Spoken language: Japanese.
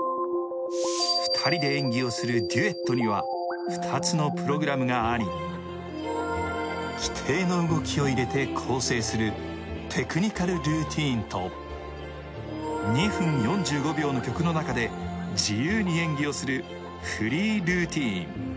２人で縁起をするデュエットには２つのプログラムがあり規定の動きを入れて構成するテクニカルルーティンと２分４５秒の曲の中で自由に演技をするフリールーティン。